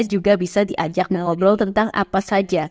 juga bisa diajak mengobrol tentang apa saja